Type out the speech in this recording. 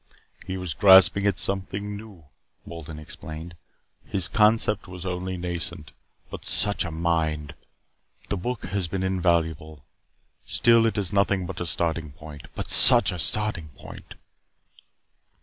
"He was grasping at something new," Wolden explained. "His concept was only nascent. But such a mind! The book has been invaluable. Still, it is nothing but a starting point but such a starting point!"